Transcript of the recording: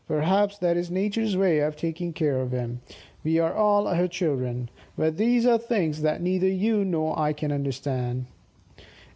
Perhaps that is Nature's way of taking care of him. We are all her children. But these are things that neither you nor I can understand."